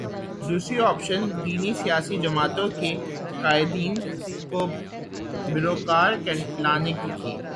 دوسری آپشن دینی سیاسی جماعتوں کے قائدین کو بروئے کار لانے کی تھی۔